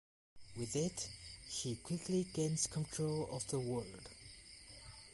With it, he quickly gains control of the world.